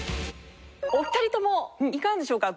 お二人ともいかがでしょうか？